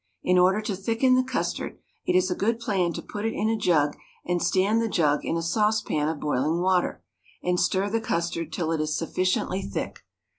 In order to thicken the custard, it is a good plan to put it in a jug and stand the jug in a saucepan of boiling water, and stir the custard till it is sufficiently thick.